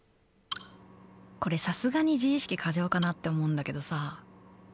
これさすがに自意識過剰かなって思うんだけどさ。